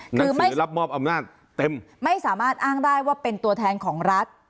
หนังสือรับมอบอำนาจเต็มไม่สามารถอ้างได้ว่าเป็นตัวแทนของรัฐ